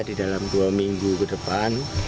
di dalam dua minggu ke depan